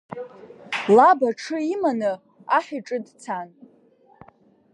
Лаб аҽы иманы аҳ иҿы дцан…